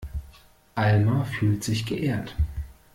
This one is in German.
Alma fühlt sich geehrt.